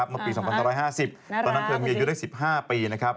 เมื่อปี๒๕๕๐ตอนนั้นเธอมีอายุได้๑๕ปีนะครับ